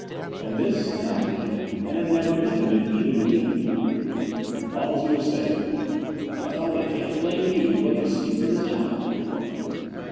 And this Snap knew, and had never mentioned it, even to me. Halsey was saying, "Well, we can't blame you, but the secret is out."